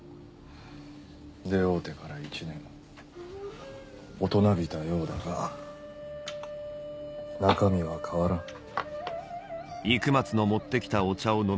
出会うてから１年大人びたようだが中身は変わらん。